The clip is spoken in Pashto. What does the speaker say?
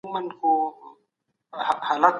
ایا قحطي په ټول هېواد کي خپره سوي وه؟